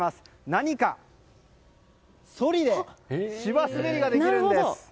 何かというと、そりで芝滑りができるんです。